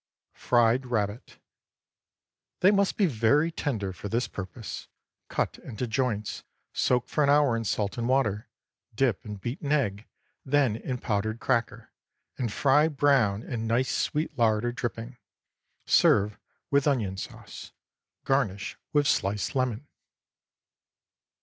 FRIED RABBIT. They must be very tender for this purpose. Cut into joints; soak for an hour in salt and water; dip in beaten egg, then in powdered cracker, and fry brown in nice sweet lard or dripping. Serve with onion sauce. Garnish with sliced lemon.